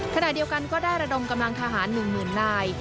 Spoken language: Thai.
ขณะเดียวกันก็ได้ระดมกำลังทหาร๑๐๐๐นาย